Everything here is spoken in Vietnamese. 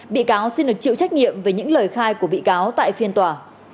bị cáo xin được chịu trách nhiệm về những lời khai của bị cáo tại phiên tòa